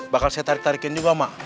bakal saya tarik tarikin juga mak